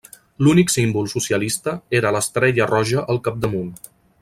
L'únic símbol socialista era l'estrella roja al capdamunt.